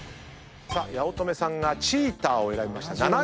八乙女さんがチーターを選びました。